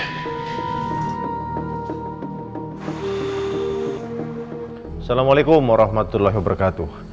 assalamualaikum warahmatullahi wabarakatuh